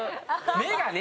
目がね